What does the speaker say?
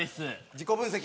自己分析。